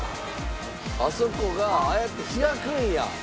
あそこがああやって開くんや。